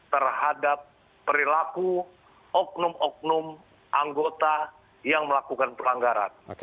terhadap perilaku oknum oknum anggota yang melakukan pelanggaran